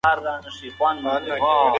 مصرف مې د خپلې اړتیا په اساس محدود کړی دی.